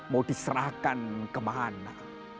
mau diserahkan kemana